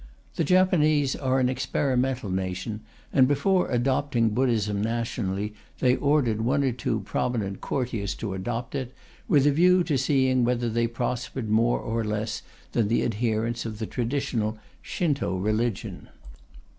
The Japanese are an experimental nation, and before adopting Buddhism nationally they ordered one or two prominent courtiers to adopt it, with a view to seeing whether they prospered more or less than the adherents of the traditional Shinto religion.